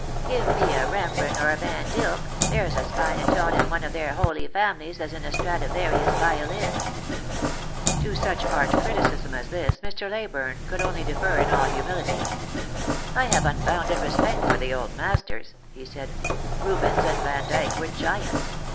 Give me a Bembren, or a Vandilk; there's as fine a tone in one of their Holy Families as in a Stra divarius violin." To such art criticism as this Mr. Leyburne could only defer in all humility. " I have unbounded respect for the old masters," he said ; "Rubens and Vandyke were giants.